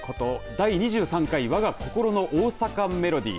第２３回わが心の大阪メロディー。